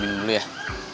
ya udah deh